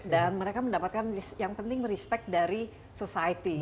dan mereka mendapatkan yang penting respect dari society